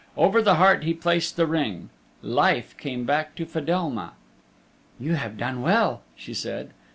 Over the heart he placed the Ring. Life came back to Fedelma. "You have done well," she said.